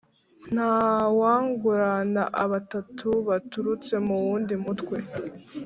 Nta wangurana abatatu baturutse mu wundi mutwe,